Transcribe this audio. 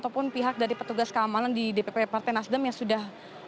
ataupun pihak dari petugas keamanan di dpp partai nasdem yang sudah